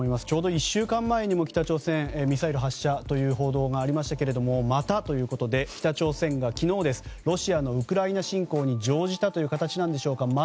ちょうど１週間前にも北朝鮮ミサイル発射という報道がありましたがまたということで北朝鮮が昨日ロシアのウクライナ侵攻に乗じたという形なんでしょうか。